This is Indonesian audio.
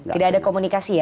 tidak ada komunikasi ya